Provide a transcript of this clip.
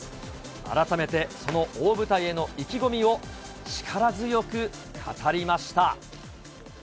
改めてその大舞台への意気込みを力強く語りました。